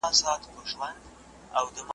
که علم په پښتو وي، نو پوهه به د رڼا په څیر وي.